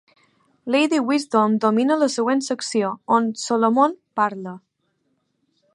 Lady Wisdom domina la següent secció, on Solomon parla.